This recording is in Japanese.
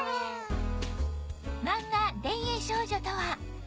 漫画『電影少女』とは